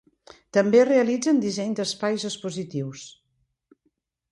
També realitzen disseny d'espais expositius.